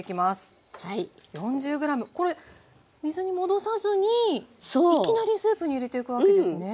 これ水に戻さずにいきなりスープに入れていくわけですね。